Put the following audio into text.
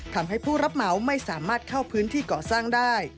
ทำให้ผู้รับเหมาไม่สามารถเข้าพื้นที่ก่อสร้างได้